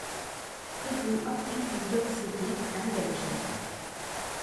He grew up in New York City and Belgium.